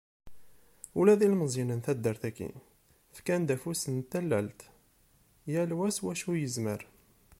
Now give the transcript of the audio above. Ula d ilmeẓyen n taddart-agi, fkan-d afus n tallelt, yal wa s wacu i yezmer.